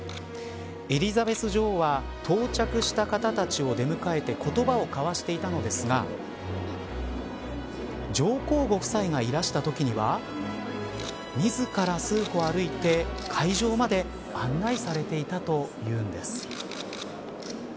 エリザベス女王は、到着した方たちを出迎えて言葉を交わしていたのですが上皇ご夫妻がいらしたときには自ら、数歩歩いて会場まで案内されていたというんです。